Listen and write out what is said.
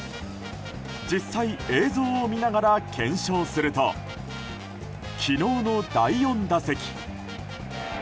実際、映像を見ながら検証すると、昨日の第４打席。